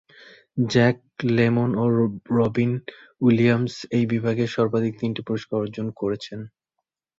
Jack Lemmon ও Robin Williams এই বিভাগে সর্বাধিক তিনটি পুরস্কার অর্জন করেছেন।